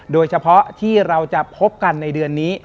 โดยเฉพาะที่เราจะพบกันในเดือนนี้